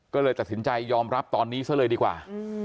ก็เลยตัดสินใจยอมรับตอนนี้ซะเลยดีกว่า